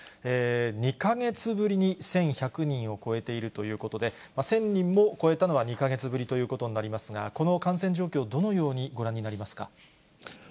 ２か月ぶりに１１００人を超えているということで、１０００人も超えたのは２か月ぶりということになりますが、この感染状況、どのようにご覧になりますか。